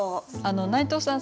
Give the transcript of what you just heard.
内藤さん